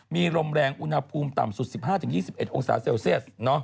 มีลมแรงอุณหภูมิต่ำสุด๑๕๒๑องศาเซลเซียส